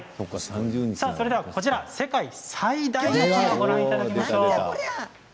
それでは、こちら世界最大のこまをご覧いただきましょう。